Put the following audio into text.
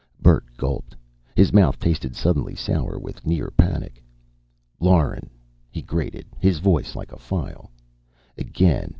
Bert gulped. His mouth tasted suddenly sour with near panic. "Lauren," he grated, his voice like a file. "Again.